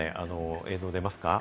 映像が出ますか？